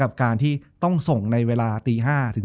จบการโรงแรมจบการโรงแรม